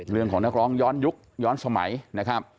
เรื่องของนักร้องย้อนยุคย้อนสมัยนะครับ